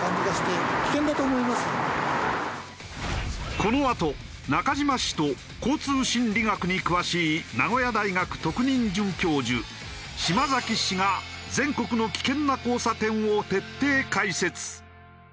このあと中島氏と交通心理学に詳しい名古屋大学特任准教授島崎氏が全国の危険な交差点を徹底解説。